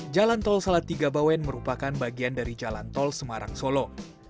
jalan tol salatiga bawen merupakan bagian dari jalan tol semarang solo